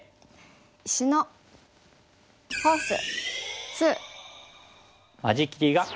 「石のフォース２」。